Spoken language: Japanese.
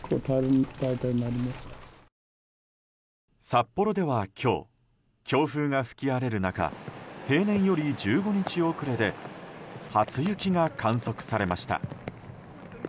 札幌では今日、強風が吹き荒れる中平年より１５日遅れで初雪が観測されました。